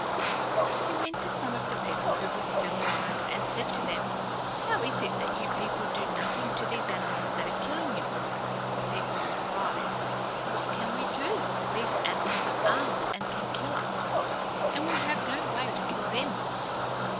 He went to some of the people who were still alive, and said to them, "How is it that you people do nothing to these animals that are killing you?" The people replied, "What can we do? These animals are armed and can kill us, and we have no way to kill them."